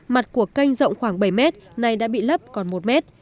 mặt của kênh rộng khoảng bảy mét nay đã bị lấp còn một mét